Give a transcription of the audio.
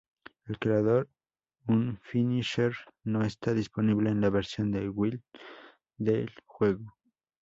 El Crear un finisher no está disponible en la versión de Wii del juego.